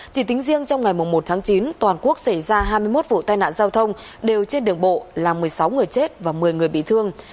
chỉ tính riêng trong ngày một tháng chín toàn quốc xảy ra hai mươi một vụ tai nạn giao thông đều trên đường bộ làm một mươi sáu người chết và một mươi người bị thương